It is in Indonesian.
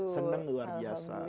senang luar biasa